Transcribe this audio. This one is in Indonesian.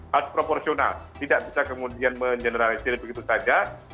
harus proporsional tidak bisa kemudian mengeneralisir begitu saja